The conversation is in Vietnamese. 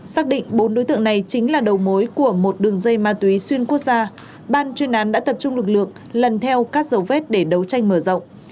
xác định bốn đối tượng này chính là đầu mối của một đường dây ma túy xuyên quốc gia ban chuyên án đã tập trung lực lượng lần theo các dấu vết để đấu tranh mở rộng